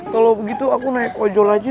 kalo begitu aku naik ojol aja ya